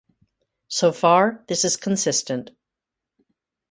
So far, this is consistent.